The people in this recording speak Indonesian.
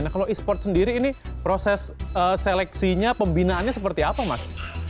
nah kalau e sport sendiri ini proses seleksinya pembinaannya seperti apa mas